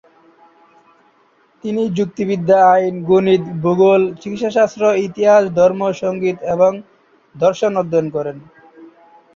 তিনি যুক্তিবিদ্যা, আইন, গণিত, ভূগোল, চিকিৎসাশাস্ত্র, ইতিহাস, ধর্ম, সঙ্গীত এবং দর্শন অধ্যয়ন করেন।